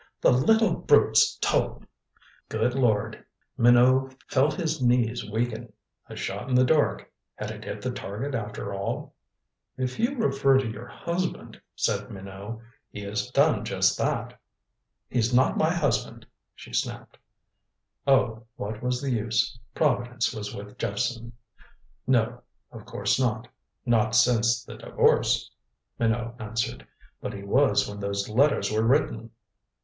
The little brute's told!" Good lord! Minot felt his knees weaken. A shot in the dark had it hit the target after all? "If you refer to your husband," said Minot, "he has done just that." "He's not my husband," she snapped. Oh, what was the use? Providence was with Jephson. "No, of course not not since the divorce," Minot answered. "But he was when those letters were written."